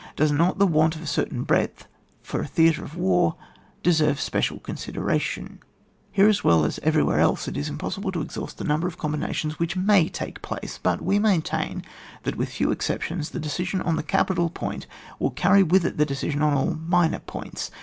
Does not the want of a certain breadth for a theatre of war deserve special con sideration ? Here as well as everywhere else it is impossible to exhaust the number of combinations which may take place; but we maintain that, with few exceptions, the decision on the capital point will carry with it the decision on all minor points.